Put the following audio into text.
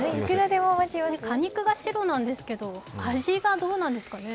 果肉が白なんですけど味がどうなんですかね？